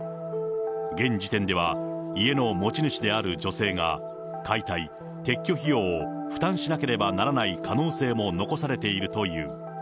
現時点では家の持ち主である女性が解体・撤去費用を負担しなければならない可能性も残されているという。